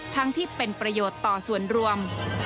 ที่เป็นประโยชน์ต่อส่วนรวม